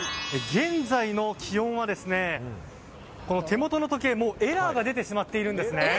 現在の気温は手元の時計エラーが出てしまっているんです。